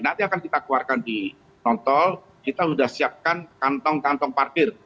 nanti akan kita keluarkan di non tol kita sudah siapkan kantong kantong parkir